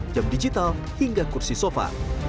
jam digital hingga kursi sofa